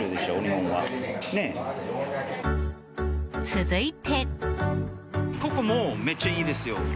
続いて。